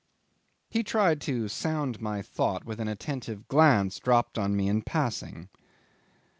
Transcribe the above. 'He tried to sound my thought with an attentive glance dropped on me in passing.